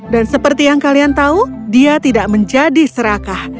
dan seperti yang kalian tahu dia tidak menjadi serakah